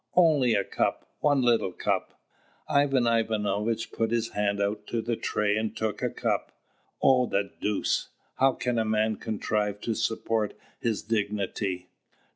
"Only a cup, one little cup!" Ivan Ivanovitch put his hand out to the tray and took a cup. Oh, the deuce! How can a man contrive to support his dignity!